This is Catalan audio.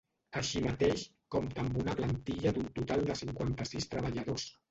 Així mateix, compta amb una plantilla d’un total de cinquanta-sis treballadors.